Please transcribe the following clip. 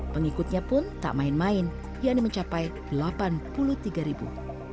pengikutnya pun tak main main yang mencapai delapan puluh tiga ribu